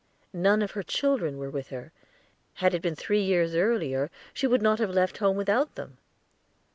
None of her children were with her; had it been three years earlier, she would not have left home without them.